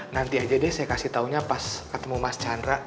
nanti aja deh saya kasih taunya pas ketemu mas chandra